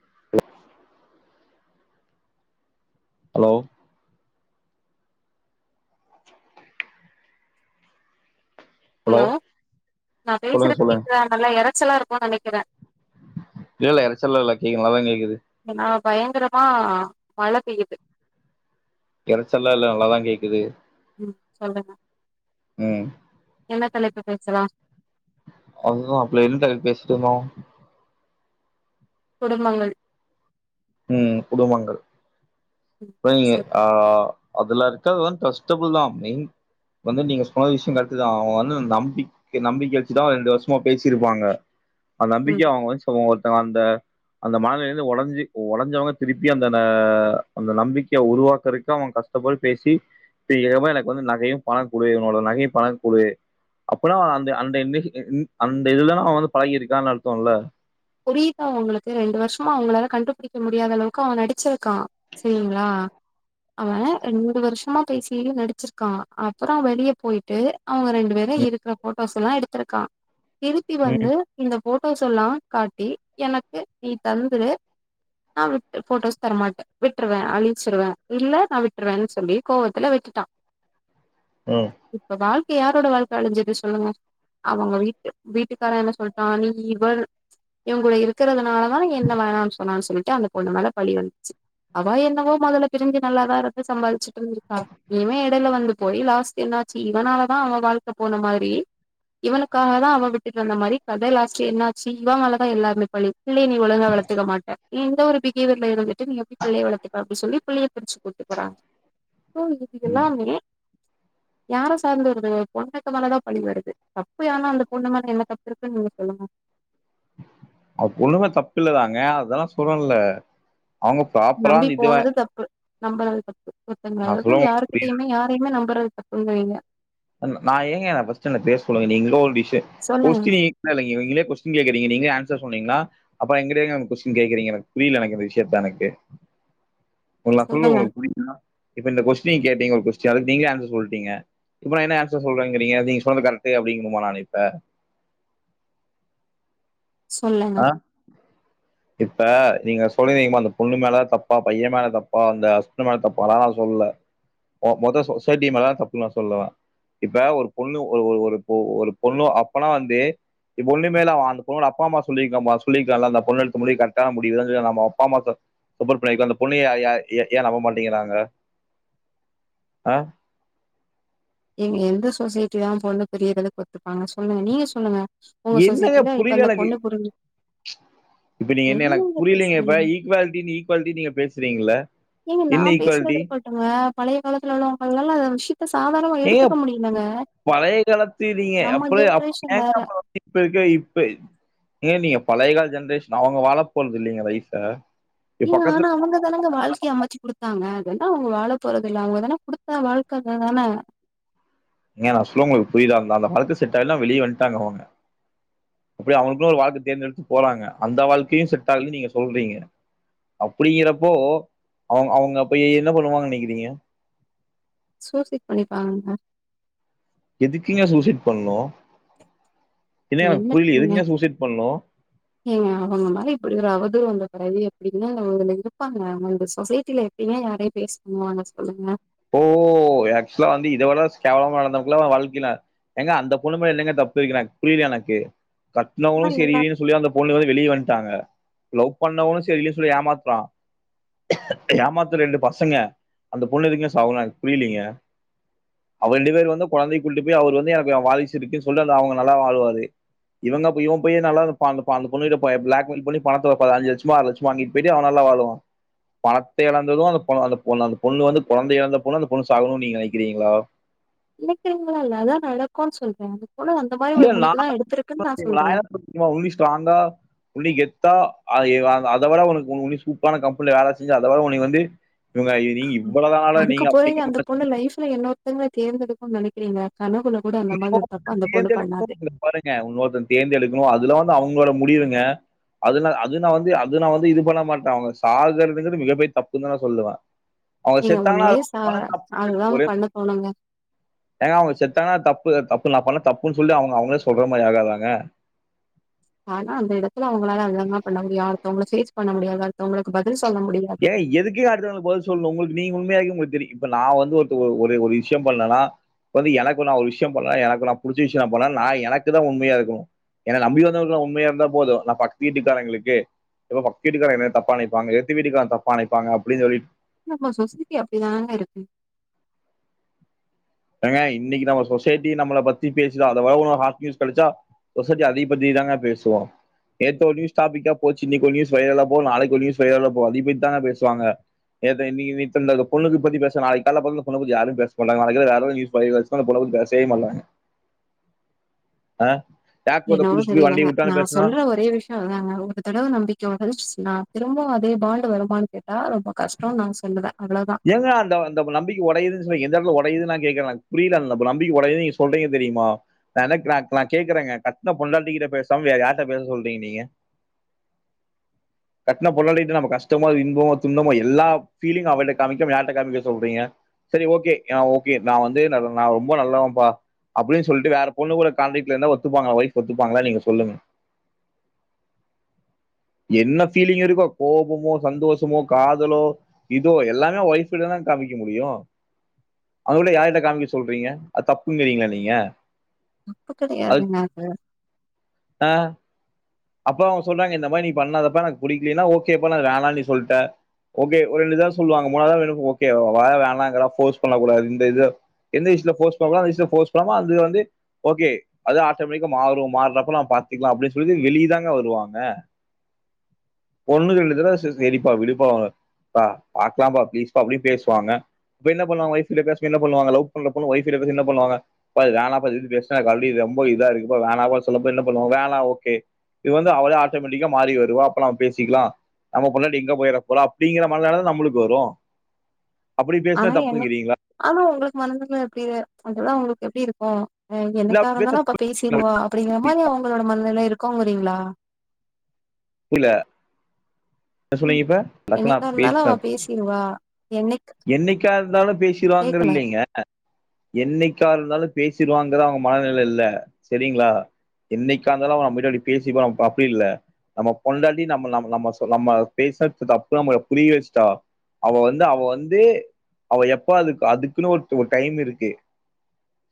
[inaudible] Hello hello நான் சொல்லுங்க பேசுறது சொல்லுங்க கேக்குதா நல்லா இறைச்சலா இரு தா நெனைக்கிறேன் இல்லலைல்ல இறச்சல்ல இல்ல கே்க நல்லான் கேக்குது ஏன்னா பயங்கரமா ஆ மழை பெய்யுது இறைச்சல்ல இல்ல நல்லாதான் கேக்குது ம் சொல்லுங்க ம் என்ன தலைப்பு பேசலா அதுதான் அப்பள்ள எந்த தலப்பு பேசிட்டு இருந்தோம். குடும்பங்கள் ம் குடும்பங்கள் ம் [unintelligible] சரி ஆ அதுலா இருக்கதுலா ட்ரஸ்டபுள் தான் நீங் வந்து நீங்க சொன்ன விஷயம் கரட்டு தான் அவங்க வந்து நம்பிக்க நம்பிக்கை வச்சுதான் ரெண்டு வருஷமா பேசிருப்பாங்க அத ம் நம்பிக்கைய அவங்க வந்து [unintelligible] அந்த அந்த மண நிலைல இருந்து உடஞ்சி உடஞ்சவங்க திருப்பி அந்த் ஆஹ் அந்த நம்பிக்கைய உருவாக்குறதுக்கு அவங்க கஷ்டப்பட்டு பேசி இப்ப எவன் வந்து எனக்கு வந்து நகையும் பண குடு என்னோட நகையும் பண குடு அப்பனா அந்த அந்த அந்த இதுதான் அவன் வந்து பழகியிருக்கான் அர்த்தோல புரியுதா அவங்களுக்கு ரெண்டு வருஷமா அவங்களால கண்டுபிடிக்க முடியாத அளவுக்கு அவன் நடிச்ச க்கான் சரிங்களா அவன் ரெண்டு வருஷமா பேசி நடிச்சிருக்கான் அப்றம் வெளிய போய்ட்டு அவங்க ரெண்டு பேரும் இருக்குற போட்டோஸ்லாம் எடுத்துருக்கான் திருப்பி ம், வந்து இந்தப் போட்டோஸ் எல்லாம் காட்டி எனக்கு நீ தந்துரு நான் விட்டு போட்டோஸ் தரமாட்டேன் விட்டுருவேன் அழிச்சிருவேன் இல்ல நான் விட்டுருவேன்னு சொல்லி கோவத்துல விட்டுட்டான் ம், இப்பதால் யாரோட வாழ்க்க அழிஞ்சிது சொல்லுங்க அவ்கங்க வீட்டு வீட்டுக்கார என்ன சொல்லிட்டா நீ இவர் இவங்கூட இருக்கறதுனால என்ன வேணான் சொன்னான் சொல்லி அந்த பொண்ணு மேல பழி வந்ச்சு அவ என்னவோ மொதல பிரிஞ்சி நல்லாதா இருந்து சம்பாதிச்சிட்டு இருந்துருக்கா இவேன் எடைல வந்து போய் லாஸ் என்னாச்சி இவனாலதா அவ வாழ்க்க போன மாரி இவனுக்கா தா அவ விட்டு தந்த மாரி கத லாஸ்ட் என்னா சிவா மேல தா எல்லாருமே பலி புள்ளய நீ ஒழுங்க வளத்துக்க மாட்ட இந்த ஒரு பிஹேவியர்ல இருந்து நீ எப்டி புள்ளய வளத்துப்ப அப்டி சொல்லி புள்ளய பிரிச்சி கூட்டு போனாங்க சோ இது ம். எல்லாமே யார சார்ந்துருது ஒரு பொண்ணுக்கு மேல தா பழி வருது தப்பு யார்னா அந்த பொண்ணு மேல என்ன தப்பு இருக்குன் நீங்க சொல்லுங்க அ பொண்ணுமேல தப்பு இல்லதாங்க அதெல்லா சொல்லல அவுங்க ப்ராப்பரா அந்த இதுவ நம்ப நாள தப் ஒர்த்தங்கது புரியுது. யாருகிட்டயுமே யாரயுமே நம் பண்ரது தப்புங்கிறீங்க நா ஏங்க என ஃபஸ்ட்டு என்ன பேசவுடுங்க நீங்களே ஒரு டிஷ் சொல்லுங்க கொஸ்டின் நீங்களே கொஸ்டின் கேக்றீங்க நீங்ளே ஆன்சர் சொன்னீங்ளா அப்பறோ எங்கிட்ட ஏங்க கொஸ்டின் கேக்றீங்க எனக் புரியல எனக் இந்த விஷ்யத்த எனக்கு ஒங்கள நா சொல்றது சொல்லுங்க ஒங்ளுக் புரிஞ்சா இப்ப இந்த கொஸ்டின் நீ கேட்டீங்க ஒரு கொஸ்டின் அதுக் நீங்ளே ஆன்சர் சொல்ட்டீங்க இப்ப நா என்ன ஆன்சர் சொல்றேங்கிறீங்க நீங்க சொன்னது கரட்டு அப்படிங்கணுமா நானு இப்ப சொல்லணு ஆ? இப்ப நீங்க சொல்றீங்க அந்த பொண்ணு மேல தப்பா பைய மேல தப்பா அந்த ஹஸ்பண்ட் மேல தப்பா அத நா சொல்லல மொத சொசைட்டி மேலதா தப்பு நா சொல்லுவே இப்ப ஒரு பொண்ணு ஒரு பொண்ணு அப்பனா வந்து பொண்ணு மேல அந்த பொண்ணோட அப்பா அம்மா சொல்லிருக்க சொல்லிருக்கலால அந்த பொண்ணு முடிவு கரட்டான முடிவு நம்ப அப்பாமா சப்போட் பண்ண அந்த பொண்ண ஏ நம்ப மாட்டேங்கிறாங்க ஆஹ் ஏங்க எந்த சொசைட்டி தா பொண்ணு பிரியறதக்கொத்துப்பாங்க சொல்லுங்க நீங்க சொல்லுங்க உங்க என்னங்க சொசைட்டில இப்ப புரியல அந்த எனக்கு பொண்ணு புரிஞ்சு இப்ப நீங்க என்ன எனக் என்னங்க புரிலங்க இப்ப பேசுறீங்க ஈக்வாலிட்டி ஈக்வாலிட்டி நீங்க பேசுறீங்கள என்ன ஈக்வாலிட்டி பழய காலத்துல உள்ளவங்களால அந்த விஷ்யத்த சாதா ஏங்க பழய காலத்து நீங்க நம்ம அப்ப ஜென்ரேஷன் வேற இப்பருக்க இப்ப ஏங்க நீங்க பழைகால ஜென்ரேஷ் அவுங்க வாழ போறதில்லிங்க வயஸ இங்க ஆனா அவங்கதானங்க வாழ்க்கய அமச்சி குடுத்தாங்க ஏன்னா அவுங்க வாழ போறதில்ல அவுங்கதானே குடுத்த வாழ்க்கதான ஏங்க நா சொல்ல உங்களுக் புரியுதாருந்த அந்த வாழ்க செட் ஆள வெளிய வந்ட்டாங்க அவுங்க அப்டி அவுங்குனு ஒரு வாழ்க்க தேர்ந்தெடுத்து போறாங்க அந்த வாழ்க்கயும் செட் ஆகலனு நீங்க சொல்றீங்க அப்டிங்கிறப்போ அவுங்க அவுங்க போயி என்ன பண்ணுவாங்க நெனக்கிறீங்க சூசைட் பண்ணிப்பாங்க எதுக்கிங்க சூசைட் பண்ணு ஏன்னா எனக்கு என்ன புரியல தெரிங்க எதுக்குங்க சூசைட் பண்ணு ஏங்க அவுங்க மாரி இப்டி ஒரு அவதூர் வந் வேற வழி எப்டிங்க [unintelligible] இருப்பாங்க ஆனா இந்த சொசைட்டில எப்டிங்க யாரையு பேசணு சொல்லுங்க ஓ ஆக்சுலா வந்து இத விட கேவலமா நடந்தவங்குல்லா வாழ்க்கில ஏங்க அந்த பொண்ணு மேல என்னங்க தப்பு எனக்கு புரில எனக்கு ஆனா கட்னவனு எல்லா செரில்லனு சொல்லி அந்த பொண்ணு வந்து வெளிய வன்ட்டாங்க லவ் பண்ணவனு செரில சொல்லி ஏமாத்றா ஏமாத்த ரெண்டு பசங்க அந்த பொண்ணு எதுக்குங் [unintelligible] புரிலிங்க அவ ரெண்டு பேரு வந்து கொழந்தை கூட்டிட் போய் அவரு வந்து எனக்கு அவ வாரிசு இருக்குன் சொல்லி அந்த அவுங்க நல்லா வாழ்வாரு இவந்தா போயி இவ போயி நல்லா இருப்பா அந்த ப அந்த பொண்ணுக்கிட்ட ப பிளாக் மெயில் பண்ணி பணத்த ஐஞ்சு லச்சமோ ஆறு லச்சமோ வாங்கிட் போய்ட்டு அவ நல்லா வாழுவா பணத்த இழந்ததுஅந் பொ அந்த பொண்ணு அந்த பொண்ணு வந்து கொழந்த இழந்த பொண்ணு அந்த பொண்ணு சாகனுன் நீங்க நெனக்கிறீங்களா நினைக்கிறீங்களா இல்ல அதா நடக்குன் சொல்றே அதுக்கு இல்ல நா [unintelligible] நா சொல்றே என்ன ஸ்ட்ராங்கா [unintelligible] தா அத அத விட உனுக் உன்னு சூப்பரான கம்பெனில வேல செஞ்சி அத விட உன்னை வந்து இவங்க நீங்க இவ்வளவுதானாடா அதுக்கு நீங்க போய்ங்க அந்த அப்படிங்கிற பொண்ணு லைஃப்ல இன்னொருத்தங்க தேர்ந்தெடுக் நெனைக்கிறீங்க கனவுல கூட அந்த மாரி ஒரு தப்ப இன்னொருத்தங்க அந்த பொண்ணு பண்ணாது தேர்ந்தெடுக்கனு பாருங்க இன்னொருத்த தேர்ந்தெடுக்கனு அதுல வந்து அவுங் உங்களோட முடிவுங்க அது நா அது நா வந்து இது பண்ண மாட்டே அவெ சாகுறதுங்குது மிக பெரிய தப்புனு தா நா சொல்லுவே நீங்க ஒண்லே சா சாக வுடாம ஒரே பண்ண தோணுங்க ஆ தப்பு தப்பு நா பண்ண தப்புன் சொல்லி அவுங்க அவுங்களே சொல்ற மாரி ஆகாதாங்க ஆனா அந்த இடொ அவுங்களால என்னங்க பண்ண முடியு அடுத்தவங்கள ஃபேஸ் பண்ண முடியாத அடுத்தவங்களுக்கு பதில் சொல்ல முடியாது ஏய் எதுக்கு அடுத்தவங்களுக்கு பதில் சொல்லுனு உங்களுக்கு நீங்க உண்மையா இருங்க தெரியு இப்ப நா வந்து ஒருத்து ஒரு ஒரு விஷ்யம் பண்ணலனா வந்து எனக்கு நா ஒரு விஷயம் பண்ண எனக்கு நான் புடிச்ச விஷ்யம் நா பண்ணா நா எனக்கு தா உண்மையா இருக்கணு என்ன நம்பி வந்தவளுக்கு எல்லா உண்மையா இருந்தா போது நா பக்த்து வீட்டுக்காரங்களுக்கு இப்ப பக்தீட்டுக்கார என்ன தப்ப நெனைப்பாங்க தி வீட்டுகாரா தப்பா நெனைப்பாங்க அப்டின் சொல்லி நம்ம சொசைட்டி அப்டிதாங்க இருக்கு ஏங்க இன்னைக்கு நம்ம சொசைட்டி நம்மள பத்தி பேசுதா அதவோட வேற ஹாட் நியூஸ் கெடச்சா சொசைட்டி அதி பத்தி தாங்க பேசு நேத்து ஒரு நியூஸ் டாபிக்கா போச்சு இன்னைக்கு நியூ வைரலா போவு நாளைக்கு ஒரு நியூஸ் வைரல போவு அதி பத்தி தாங்க பேசுவாங்க நேத்து இன்னைக்கு [unintelligible] பொண்ணுக்கு பத்தி பேச நாளைக்கு கால்ல பொண்ணு பத்தி யாரு பேச மாட்டாங்க நாளைக்கு வேற [unintelligible] பத்தி பேசவே மாட்டாங்க ஆ ஜாக் ஒருத்தன் என்னவோ குடிச்சிட்டு போய் வண்டிய தெரியலங்க நா விட்டான்னு பேசுனா சொல்ற ஒரே விஷ்யோ அதாங்க ஒரு தடவ நம்பிக்க வொடஞ்சிருச்சினா திரும்போ அது அதே பாண்டு வருமானு கேட்டா ரொம்ப கஷ்டோ நா சொல்லுவே அவ்ளோதா ஏங்க அந்த அந்த நம்பிக்க ஒடையுதுன் சொ எந்த இடத்தல ஒட டையிது நா கேக்கற புரியலன்ல இல்ல இப்ப நம்பிக்க கொறயுது நீங்க சொல்றீங்க தெரியுமா நா என்ன நா கேக்கறங்க கட்ண பொண்டாட்டி கிட்ட பேசாம வேற யார் கிட்ட பேச சொல்றீங்க நீங்க கட்ன பொண்டாட்டி கிட்ட நம்ப கஷ்டமோ இன்பமோ துன்பமோ எல்லா ஃபீலிங் அவளுக் சமைக்கு வேட்டகாரன் போய் சொல்லறீங்க செரி ஒகே ஆ ஒகே நா வந்து நா ரொம்ப நல்லவ பா அப்டின் சொல்ட்டு வேற பொண்ணு கூட கான்டாக்ட்ல இருந்தா ஒத்துப்பாங்க வொய்ப் ஒத்துபாங்ளா நீங்க சொல்லுங்க என்ன ஃபீலிங் இருக்கோ கோபமோ சந்தோஷமோ காதலோ இதோ எல்லா வொய்ப் கிட்ட தான காமிக்க முடியு அதுகுள்ள யார்ட்ட காமிக்க சொல்றீங்க அது தப்புன்கிறீங்களா நீங்க அப்ப அது கிடையாதுனாக்க ஆ அப்ப அவ சொல்றாங்க இந்த மாரி நீ பண்ணாதப்பா எனக்கு புடிக்கலினா ஓகேப்பா நா வேணானு சொல்லிட்டே ஓகே ஒரு ரெண்டு தரவ சொல்லுவாங்க மூணா தரவ வெரு ஒகே ஆ வேணாங்கற போர்ஸ் பண்ண கூடாது இந்த இது எந்த [unintelligible] பண்ணாம வந்து ஓகே அது ஆட்டோ மேட்டிக்கா மாறு மாறப்ப நம்ம பாத்துக்கலா அப்படின் சொல்லி வெளிய இதாங்க வருவாங்க பொண்ணுகளுக் செரிப்பா விடுப்பா பா பாக்கலாபா ஃபீளிஸ் பா அப்டின் பேசுவாங்க என்ன பண்ணுவாங்க வொய்ப் [unintelligible] லவ் பண்றப்ப வொய்ப்ட்ட பேசுனு என்ன பண்ணுவாங்க பா இது வேனா பா இது பத்தி பேசுனா மறுபடியு ரொம்ப இதா இருக்குபா வேனா சொல்லப்ப என்ன பண்ணுவோ வேணா ஒகே இது வந்து அவளே ஆட்டோமேட்டிக்கா மாறி வருவா அப்போ நம்ம பேசிக்கலா நம்ம பொண்டாட்டி எங்க போய்ற போறா அப்டிங்கிற மனநெல தான நம்மளுக்கு வரு அப்டி பேசுனா ஆனா எனக் தப்புங்கிறீங்களா ஆனா உங்களுக்கு மனநெல எப்டி அதுதா உங்களுக்கு எப்டி இருக் கு ஆஹ் இல்ல எநைனக்காக இருந்தாலும் அப்ப பேசிடுவா அப்படிங்கிற மாரி அவங்களோட மண்ண எல்லாம் இருக்கோங்கறீங்களா புரில என்ன புரி சொன்னீங்க இப்ப லக்னா என்னைக்கா இருந்தாலு அவ [unintelligible] பேசிருவா என்னைக் என்னைக்கா இருந்தாலும் பேசடுவாங்க கேக்கல இல்லலைங்க என்னைக்கா இருந்தாலும் பேசிடுவாங்க அவங்க மனநிலை இல் சரிங்களா என்னைக்காந்தாலும் அவா பேசி அப்படி இல்லை நம்ம பொண்டாடி ந நம்ம பேசப்பு பு வச்சா அவ வந்து அவ வந்து அவ எப்ப அது அதுக்கு ஒரு டைம் இருக்கு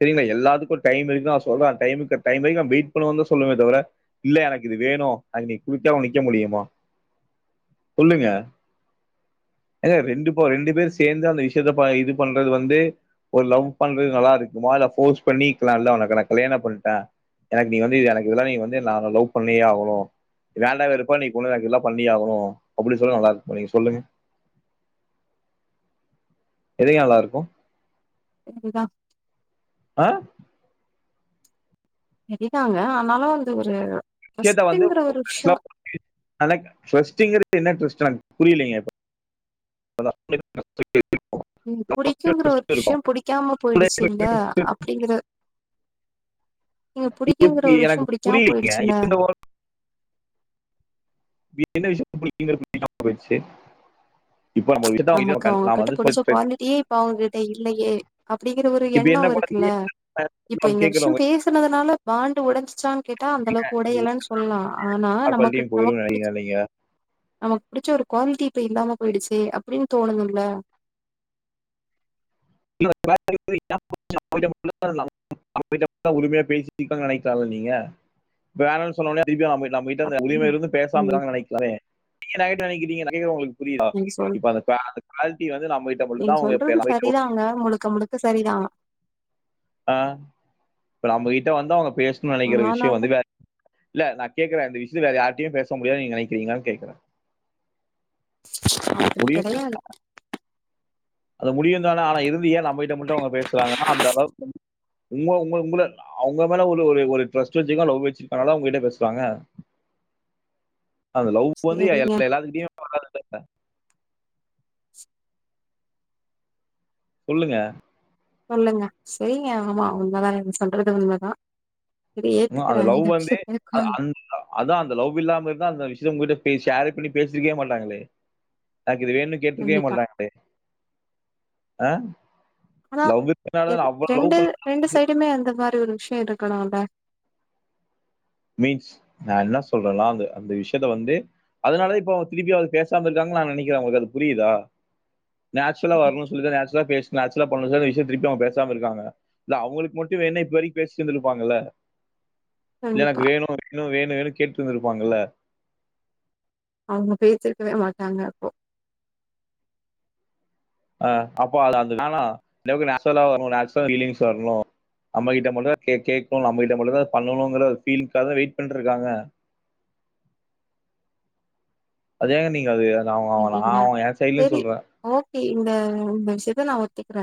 சரிங்களா எல்லாத்துக்கும் ஒரு டைம் இருக்கு நா சொல்ல அந்த டைம் வரைக்கும் வெயிட் பண்ணன்னு சொல்லணு தவிர இல்ல எனக்கு வேணும் குக்க நிக்க முடியுமா சொல்லுங்க ரெண்டு ரெண்டு பேர் சேர்ந்து அந்த விஷயத்த இது பண்றது வந்து ஒரு லவ் பண்றது நல்லா இருக்குமா இல்ல போர்ஸ் பண்ணிலாம் இல்ல உனக்குான் கல்யாணம் பண்ணிட்டேன் எனக்கு நீ வந்து எனக்கு இதெல்லாம் நீ வந்து நான் லவ் பண்ணியே ஆகணும் வேண்டா வேறுப்பா நீண்ணு எனக்கு இதல்லாம் பண்ணியே ஆகணும் அப்படிின்னு சொல்ல நல்லா இருக்கு நீங்க சொல்லுங்க எதங்க நல்லா இருக்கும் [unintelligible] ஆ சரிதாங்க ஆனாலு அந்த ஒரு ஃபஸ்ட்டுங்கிற ஒரு விஷயோ [unintelligible] னக்கு புரியலங்க இப்ப புடிக்குங்கற ஒரு ட்ரஸ்ட் விஷய இருக்கும் புடிக்காம போயிடுச்சுல அப்படிங்கற நீங்க புடிக்குங்கற ஒரு எனக்கு விஷயம் புடிக்காம புரியலைங்க போயிடுச்சுல என்ன விஷயத்து [unintelligible] போயிடுச்சு இப்போ நம்ம ஒரு விஷயத்த அவங்க நமக்கு கிட்ட நாம அவங்ககிட்ட வந்து புடிச்ச சொல்லி குவாலிட்டியே இப்ப அவங்ககிட்ட இல்லையே அப்ப்டடிங்கற ஒரு இப்போ என்ன எண்ணம் இருக்குல்ல இப்ப குழந்தையும் இந்த விஷயம் கேட்கறவங்க பேசுனதுனால வாண்டு உடஞ்சுசாங் கேட்டா அந்த அளவுக்கு உடையலன்னு சொல்லலா ஆனா நமக்கு குவாலிட்டியும் நமக்கு போயிரும் புடிச்ச நினைக்கிறீங்க நீங்க நமக்கு பிடிச்ச ஒரு குவாலிட்டி இப்ப இல்லாம போயிடுச்சு அப்படின் தோணணும்ல [unintelligible] உரிமையா பேச நினைக்கிற நீங்க வேனாணு சொன்ன நம்மிட்ட அந்த உரிம அப்படிதான். இருந்தும் பேசாம ம். இராங்கன்னு [unintelligible] நீங்க நெகட்டிவா நெனக்கிறீங்க உங்களுக் புரியுரா நீங்க சொல் இப்ப அந்த குவாலிட்டி வந்து நம்மிட்ட நீங்க தான் சொல்றது அவங்க [unintelligible] சரிதாங்க. முழுக்க முழுக்க சரிதா ஆ இப்ப நம்பகிட்ட வந்து அவங் பேசணுனு நினைக்கிற விஷயம் ஆனாலும் வந்து வே இல்ல ந கேக்குறே இந்த விஷயத் வேற யாரிட்டயையு பேச முடியானு நீங்க நினைக்கிறீங்களானு கேக்குறே அப்டி கிடையாது அது முடியு தான ஆனா இருந்து ஏ நம்மகிட்ட மட்டும் அவங்க பேசுறாங்கன்னா அந்த அளவுக்கு உங்க உங்க உங்க அவங்க மேல உள்ள ஒரு ஒரு ட்ரஸ்ட் வச்சுக்கோ லவு வச்சிருக்கனால அவங்ககிட்ட பேசுறாங்க அந்த லவ் வந்து சரிங்க. எல்லா எல்லாத்துகிட்டயு வராதுல்ல [inaudible] சொல்லுங்க சொல்லுங்க சரிங்க ஆமா உண்மதா நீங்க சொல்றது உண்மதா அந்த லவ் வந்து க- அந்த அதான் அந்த லவ் இல்லாம இருந்தா அந்த விஷய இதே உங்க கிட்ட பேஸ் ஷேரே பண்ணி பேசிருக்கே மாட்டாங்களே யாருக்கு இது வேண்னு கேட்ருக்குவே கண்டிப்பா. மாட்டங்களே அ ஆனா எது ரெண்டு ரெண்டு பண்ண சைடுமே அந்த மாரி ஒரு விஷயோ இருக்கனுல்ல மீன்ஸ் நா என்ன சொல்றன்னா அந்த அந்த விஷயத்த வந்து அதனால இப்ப அவங்க திருப்பியு அது பேசாம இருக்காங்கன்னு நா நினைக்கிறே உங்களுக்கு அது புரியுதா நேச்சுரலா ம். வருனு சொல்லிதா நேச் ச்சுலா பேஸ் நேச்சுரலா பண்ணோ சில விஷயோ திருப்பியு அவங்க பேசாம இருக்காங்க இல்ல அவங்களுக்கு மட்டு வேண்னே இப்ப வெரிக் பேசிந்துருப்பாங்கல்ல எனக்கு கண்டிப்பா. வேணு வேணு வேணு வேணுன் கேட்டிருந்திரு வாங்கலே அவங்க பேசிருக்கவே மாட்டாங்க அப்போ ஆ அப்போ அது வேணா நமக்கு நேச்சுரலா வரணு நேச்சுரலா ஃபீலிங்க்ஸ் வரனு நம்ம கிட்ட மட்டுதா கே கேக்குனு நம்ம கிட்ட மட்டுதா அது பண்ணணூங்குற ஃபிலிங்காக வெய்ட் பண்ட்டுருகாங்க அத ஏங்க நீங்க அது அவ அவனா சரிங்க. அவ என் சைட்லயு சரி. சொல்ற ஓகே. இந்த இந்த விஷயத்த நா ஒத்திக்கிறே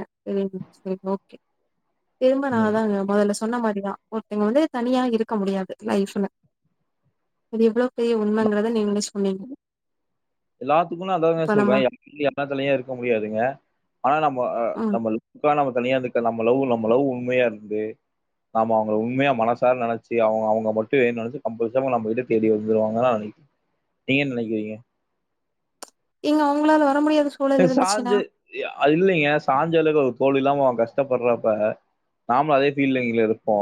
ம் சரி ஓகே திரும்ப நா ம் அதா மொதல்ல சொன்னா மாரிதா ஒருத்தங்க வந்து தனியா இருக்க முடியாது லைஃப்ல அது எவ்ளோ பெரிய உண்மைங்கறத நீங்களே சொன்னீங்க எல்லாத்துக்கு நா அதாங்க இப்ப நம்ம சொல்றே [unintelligible] இருக்க முடியாதுங்க ஆனா நம்ம அ ம். நம்ம [unintelligible] நம்ம கல்யாணத்துக்க நம்ம லவ் நம்ம லவ் உண்மையா இருந்து நாம அவங்கள உண்மையா மனசால நெனச்சி அவங்க அவங்க மட்டும் வேனு நெனைச்சு கம்பல்ச நம்மகிட்ட தேடி வந்துருவாங்க நீங்க என்ன நெனக்கிறீங்க இங்க உங்களால வர முடியாது பே சாஞ்சு அ இல்லைங்க சாஞ்ஞழுக ஒரு தோல் இல்லாம அவங்க கஷ்டப்படுறப்ப நாம்ளு அதே ஃபீலிங்ல இருப்போ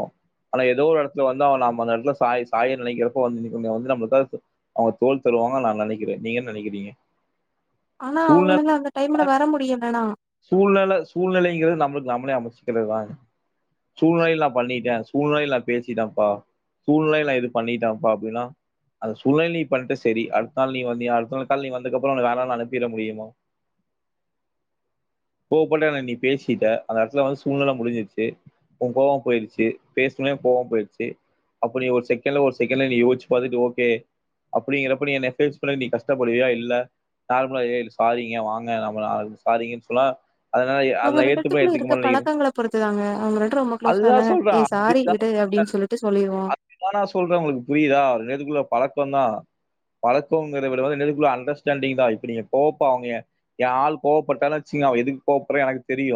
ஆனா ஏதோ ஒரு இடத்துல வந்து அவ நாம அந்த இடத்துல சாய் சாய நினைக்கிறப்போ வந்து இன்னிக்கு வந்து நம்ளுக்காக அவங்க தோல் தருவாங்க நா நெனைக்கிறே நீங்கென்ன நெனைக்கிறீங்க ஆனா அவங்களுக் சூழ்நெலே சூழ்நிலைங்கிறது நம்மள் நம்மலே அமச்சிக்கிறதாங் சூழ்நிலையில நா பண்ணிட்டே சூழ்நிலையிலா நா பேசிட்டன்ப்பா சூழ்நிலையில இது பண்ணிட்டான்ப்பா அப்டில்லா அந்த சூழ்நிலல நீ பண்ட்டே சரி அடுத்த நாள் நீ வந்தியா அடுத்த நாள் காலல நீ வந்தகப்பரோ உன்ன வேனானு அனுப்பிற முடியுமா கோவப்பட்டென நீ பேசிட்ட அந்த இடத்துல வந்து சூழ்நில முடிஞ்சிருச்சு உன் கோவம் போயிருச்சி பேசுனே கோவம் போயிருச்சி அப்படி ஒரு செகண்ட்ல ஒரு செகண்ட்ல நீ யோச்சு பாத்துட்டு ஓகே அப்படிங்கறப்ப நீ என்ன ஃபேஸ்புல நீ கஷ்டப்படுவியா இல்ல நார்மலா ஏ இல் சாரி ஏ வாங்க நம்ம லா சாரீங்கன்னு சொல்ல அவங்க ரெண்ட்பேர்துகுள்ள இருக்க பழக்கங்கள பொறுத்துதாங்க அவங்க நம்பட்ட ரொம்ப குளோஸ்ஸ அதுதான் இருந்தாங்க ஏ சொல்றேன் சாரி அதுதான் விடு அப்டின்னு சொல்லிட்டு சொல்லிருவோ பழக்கந்தா பழக்கங்கதவிடவு ரெண்டுவேர்திகுள்ள அண்டர்ஸ்டேண்டிங் தா இப்ப நீங்க கோவப்பா அவங்க எ எ ஆள் கோவப்பட்டானு வச்சிங்கா அவ எதுக் கோவப்படுறானு எனக்கு தெரியு